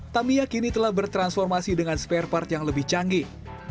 tamiya kini telah bertransformasi dengan spare part yang lebih canggih